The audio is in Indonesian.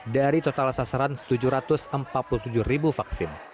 dari total sasaran tujuh ratus empat puluh tujuh ribu vaksin